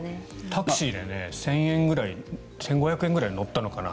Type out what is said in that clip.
タクシーで１０００円ぐらい１５００円ぐらい乗ったのかな